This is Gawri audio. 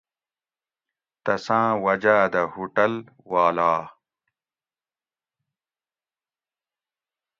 تساۤں وجاۤ دہ ہوٹل والا